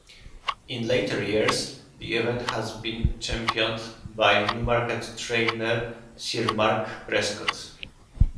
In later years the event has been championed by Newmarket trainer Sir Mark Prescott.